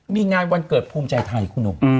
มีงานวันเกิดภูมิใจไทยคุณหนุ่ม